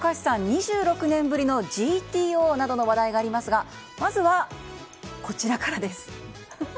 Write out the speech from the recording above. ２６年ぶりの「ＧＴＯ」などの話題がありますがまずは、こちらからです。